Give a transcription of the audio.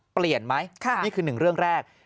เปลี่ยนไหมนี่คือหนึ่งเรื่องแรก